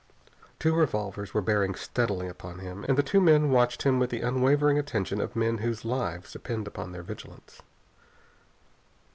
Two revolvers were bearing steadily upon him and the two men watched him with the unwavering attention of men whose lives depend upon their vigilance.